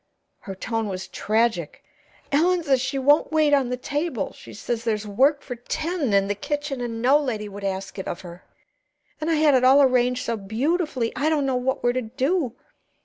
Her tone was tragic. "Ellen says she won't wait on the table; she says there's work for ten in the kitchen, and no lady would ask it of her. And I had it all arranged so beautifully. I don't know what we're to do.